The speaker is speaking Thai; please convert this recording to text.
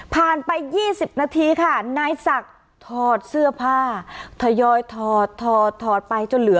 ผ่านไป๒๐นาทีค่ะนายศักดิ์ทอดเสื้อผ้า